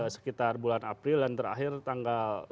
sekitar bulan april dan terakhir tanggal